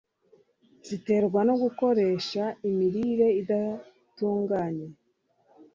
ziterwa no gukoresha imirire idatunganye